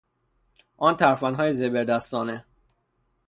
آن ترفندهای زبردستانه!